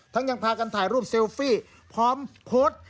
ยังพากันถ่ายรูปเซลฟี่พร้อมโพสต์